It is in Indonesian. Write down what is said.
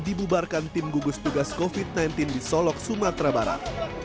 dibubarkan tim gugus tugas covid sembilan belas di solok sumatera barat